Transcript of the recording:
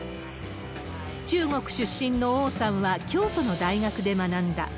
中国出身の王さんは、京都の大学で学んだ。